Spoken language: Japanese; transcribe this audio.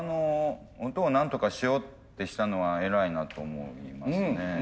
音をなんとかしようってしたのは偉いなと思いますね。